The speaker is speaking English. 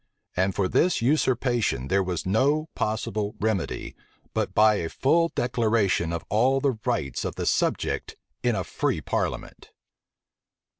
And for this usurpation there was no possible remedy, but by a full declaration of all the rights of the subject in a free parliament.